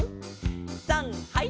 さんはい！